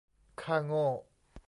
ค่าโง่